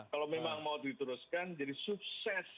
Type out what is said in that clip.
kalau memang mau diteruskan jadi sukses